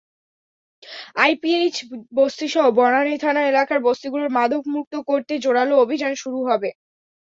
IPH বস্তিসহ বনানী থানা এলাকার বস্তিগুলো মাদকমুক্ত করতে জোরালো অভিযান শুরু হবে।